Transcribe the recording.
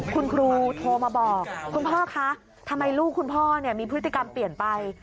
คุณครูโทรมาบอกคุณพ่อคะทำไมลูกคุณพ่อมีพฤติกรรมเปลี่ยนไป